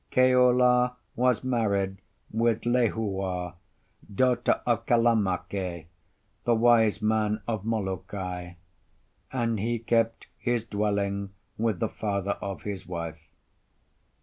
Keola was married with Lehua, daughter of Kalamake, the wise man of Molokai, and he kept his dwelling with the father of his wife.